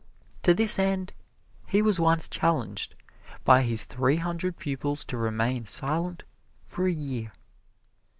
To this end he was once challenged by his three hundred pupils to remain silent for a year.